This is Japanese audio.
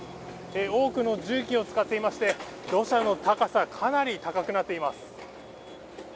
多くの重機を使っていまして、土砂の高さ、かなり高くなっています。